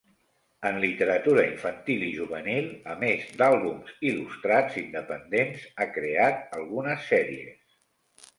En literatura infantil i juvenil, a més d’àlbums il·lustrats independents, ha creat algunes sèries.